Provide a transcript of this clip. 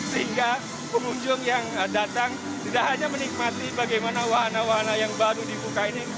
sehingga pengunjung yang datang tidak hanya menikmati bagaimana wahana wahana yang baru dibuka ini